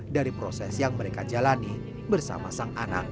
dari proses yang mereka jalani bersama sang anak